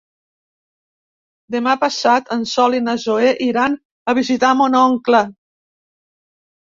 Demà passat en Sol i na Zoè iran a visitar mon oncle.